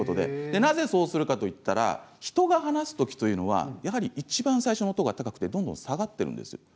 なぜそうするかというと人が話すときというのはやはりいちばん最初の音が高くてどんどん下がっていくんです。